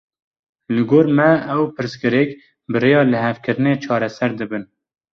Li gor me ew pirsgirêk, bi riya lihevkirinê çareser dibin